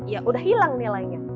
ya udah hilang nilainya